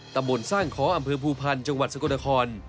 ตำบลสร้างค้ออำเภอภูพันธ์จังหวัดสกลนคร